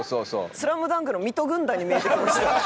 『ＳＬＡＭＤＵＮＫ』の水戸軍団に見えてきましたよ。